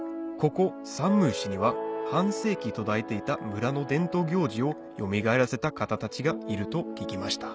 ここ山武市には半世紀途絶えていた村の伝統行事をよみがえらせた方たちがいると聞きました